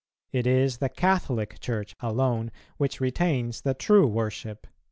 It is the Catholic Church alone which retains the true worship."